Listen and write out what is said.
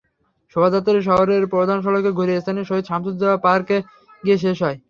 শোভাযাত্রাটি শহরের প্রধান সড়ক ঘুরে স্থানীয় শহীদ সামসুজ্জোহা পার্কে গিয়ে শেষ হয়।